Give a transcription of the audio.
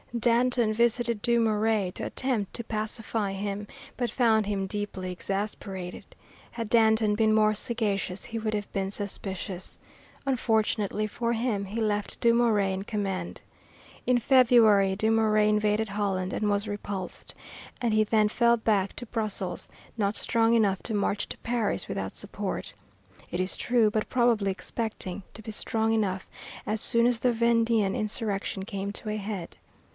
Danton visited Dumouriez to attempt to pacify him, but found him deeply exasperated. Had Danton been more sagacious he would have been suspicious. Unfortunately for him he left Dumouriez in command. In February, Dumouriez invaded Holland and was repulsed, and he then fell back to Brussels, not strong enough to march to Paris without support, it is true, but probably expecting to be strong enough as soon as the Vendean insurrection came to a head.